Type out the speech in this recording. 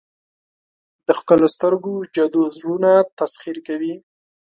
د ښکلو سترګو جادو زړونه تسخیر کوي.